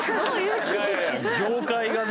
いやいや業界がね